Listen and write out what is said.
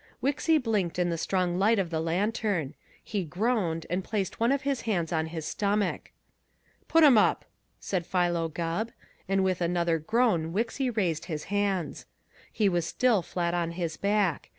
Wixy blinked in the strong light of the lantern. He groaned and placed one of his hands on his stomach. "Put 'em up!" said Philo Gubb, and with another groan Wixy raised his hands. He was still flat on his back.